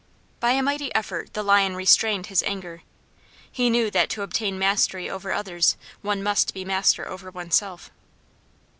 By a mighty effort the Lion restrained his anger he knew that to obtain mastery over others one must be master over oneself.